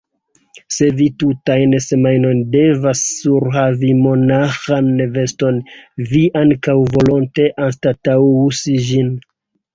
Se vi tutajn semajnojn devas surhavi monaĥan veston, vi ankaŭ volonte anstataŭus ĝin.